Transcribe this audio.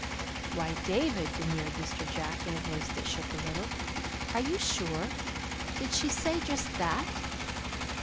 "Why, David," demurred Mr. Jack in a voice that shook a little, "are you sure? Did she say just that?